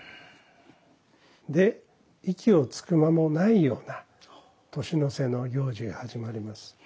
で息をつく間もないような年の瀬の用事が始まります。